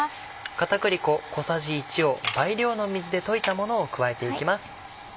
片栗粉小さじ１を倍量の水で溶いたものを加えていきます。